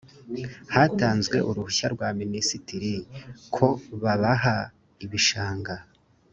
hatanzwe uruhushya rwa minisitiri ko babaha ibishanga